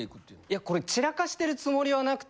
いやこれ散らかしてるつもりはなくて。